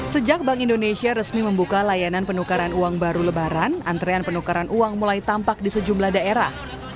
sejak bank indonesia resmi membuka layanan penukaran uang baru lebaran antrean penukaran uang mulai tampak di sejumlah daerah